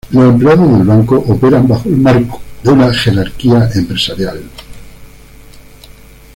Los empleados del banco operan bajo el marco de una jerarquía empresarial.